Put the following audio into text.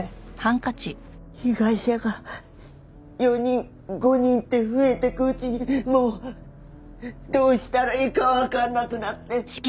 被害者が４人５人って増えていくうちにもうどうしたらいいかわかんなくなって。